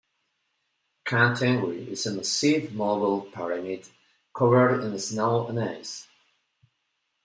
Khan Tengri is a massive marble pyramid, covered in snow and ice.